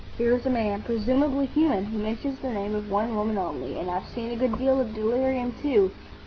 "Here is a man, presumably human, who mentions the name of one woman only. And I've seen a good deal of delirium, too.